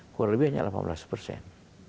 kurang lebih hanya delapan belas persen